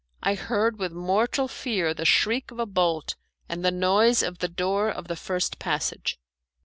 I heard with mortal fear the shriek of a bolt and the noise of the door of the first passage.